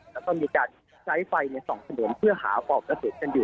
และมีการใช้ไฟในสองสนุนเพื่อหาปลอบเจ็บกันอยู่